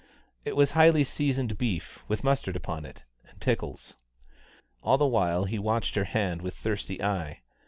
It was highly seasoned, beef with mustard upon it, and pickles. All the while he watched her hand with thirsty eye.